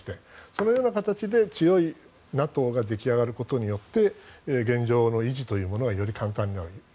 そういう形で強いＮＡＴＯが出来上がることによって現状の維持というものはより簡単になる。